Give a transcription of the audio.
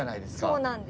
そうなんです。